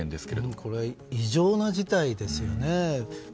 これ、異常な事態ですよね。